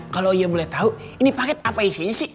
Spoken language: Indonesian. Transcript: kalau ia boleh tahu ini paket apa isinya sih